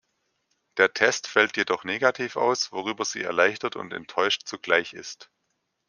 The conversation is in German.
Der Test fällt jedoch negativ aus, worüber sie erleichtert und enttäuscht zugleich ist.